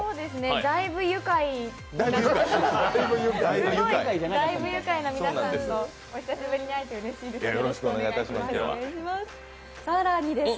だいぶ愉快な皆さんとお久しぶりに会えてうれしいです。